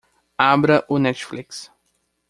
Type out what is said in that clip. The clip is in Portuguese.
Abra o Netflix.